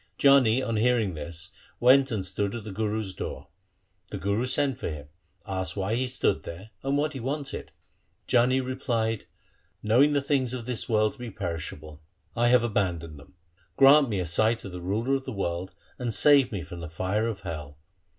Jani on hearing this went and stood at the Guru's door. The Guru sent for him, asked why he stood there, and what he wanted. Jani replied, ' Know ing the things of this world to be perishable, I have abandoned them. Grant me a sight of the Ruler of the world and save me from the fire of hell.'